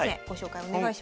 お願いします。